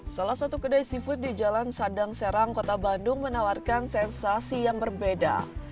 salah satu kedai seafood di jalan sadang serang kota bandung menawarkan sensasi yang berbeda